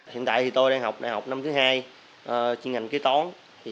hiện tại thì tôi đang học đại học năm thứ hai chuyên ngành kế tón